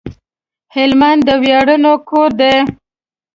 هلمند د وياړونو کور دی